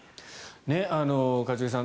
一茂さん